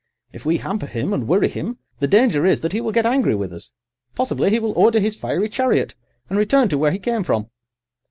If we hamper him and worry him the danger is that he will get angry with us—possibly he will order his fiery chariot and return to where he came from."